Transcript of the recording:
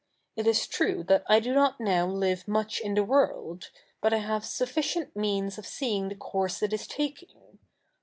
It is true that I do not now live 7nuch in the world; but I have sufficient means of seeing the course it is taki7ig.